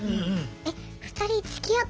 「え２人つきあってるの？」